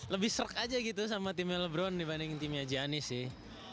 lebih serius aja gitu sama timnya lebron dibanding timnya giannis sih